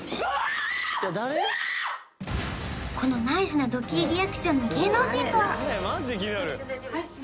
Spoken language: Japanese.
このナイスなドッキリリアクションの芸能人とは？